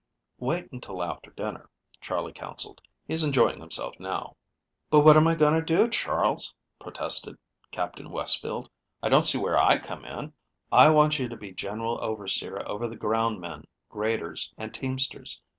"Wait until after dinner," Charley counseled. "He's enjoying himself now." "But what am I going to do, Charles?" protested Captain Westfield. "I don't see where I come in." "I want you to be general overseer over the ground men, graders, and teamsters.